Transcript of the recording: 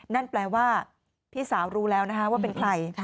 นั่นแปลว่าพี่สาวรู้แล้วนะคะว่าเป็นใคร